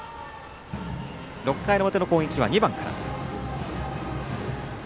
６回の表の攻撃は２番から。